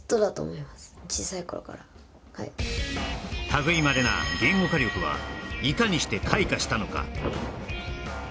類まれな言語化力はいかにして開花したのか？